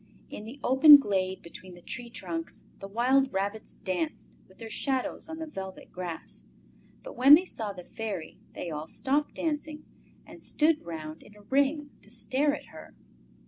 In the open glade between the tree trunks the wild rabbits danced with their shadows on the velvet grass, but when they saw the Fairy they all stopped dancing and stood round in a ring to stare at her.